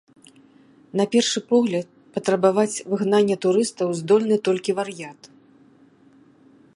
На першы погляд, патрабаваць выгнання турыстаў здольны толькі вар'ят.